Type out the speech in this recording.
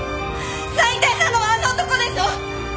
最低なのはあの男でしょ？